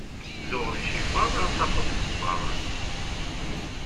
zuɣer icifaḍ ar tafeḍ isebbaḍen.